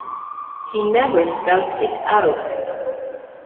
He never spelt it out.